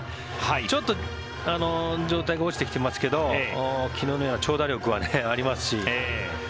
ちょっと状態が落ちてきてますけど昨日のような長打力はありますし。